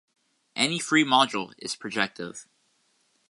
Any free module is projective.